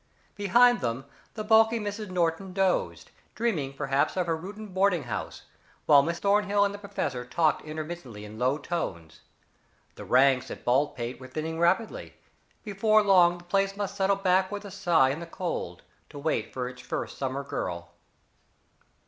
Behind them the bulky Mrs. Norton dozed, dreaming perhaps of her Reuton boarding house, while Miss Thornhill and the professor talked intermittently in low tones. The ranks at Baldpate were thinning rapidly; before long the place must settle back with a sigh in the cold, to wait for its first summer girl.